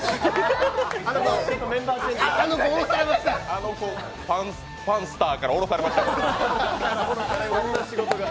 あの子、パンスターから下ろされました。